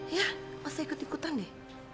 ya masa ikut ikutan deh